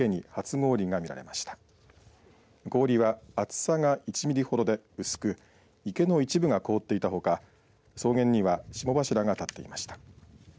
氷は厚さが１ミリほどで薄く池の一部が凍っていたほか草原には霜柱が立っていました。